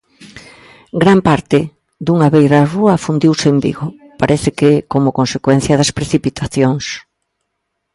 Gran parte dunha beirarrúa afundiuse en Vigo, parece que como consecuencia das precipitacións.